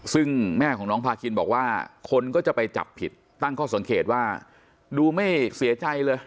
ซึ่งแม่ของน้องพาคินบอกว่าคนก็จะไปจับผิดตั้งข้อสังเกตว่าดูไม่เสียใจเลย